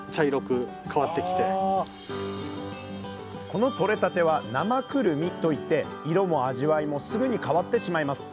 このとれたては「生くるみ」と言って色も味わいもすぐに変わってしまいます。